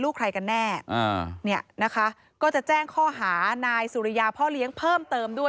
ครับ